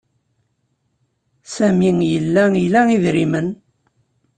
Sami yella ila idrimen.